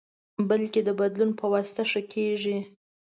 بلکې د بدلون پواسطه ښه کېږي.